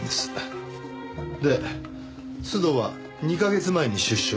で須藤は２カ月前に出所。